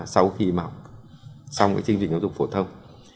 sau khi mà xong cái chương trình giáo dục phổ thông